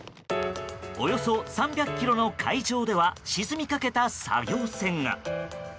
およそ３００ｋｍの海上では沈みかけた作業船が。